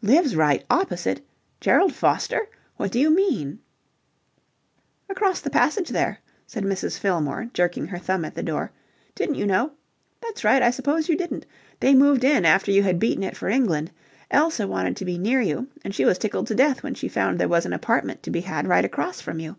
"Lives right opposite? Gerald Foster? What do you mean?" "Across the passage there," said Mrs. Fillmore, jerking her thumb at the door. "Didn't you know? That's right, I suppose you didn't. They moved in after you had beaten it for England. Elsa wanted to be near you, and she was tickled to death when she found there was an apartment to be had right across from you.